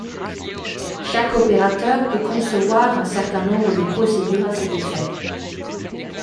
Chaque opérateur peut concevoir un certain nombre de procédures à cet effet.